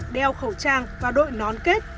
đeo khẩu trang và đội nón kết